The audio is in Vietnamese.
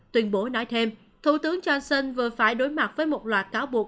tuyên bố nói thêm thủ tướng johnson vừa phải đối mặt với một loạt cáo buộc